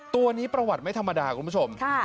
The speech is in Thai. ตัวนี้ประวัติไม่ธรรมดาคุณผู้ชม